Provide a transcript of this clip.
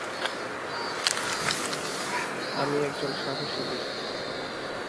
আমি একজন সাহসী ব্যাক্তি।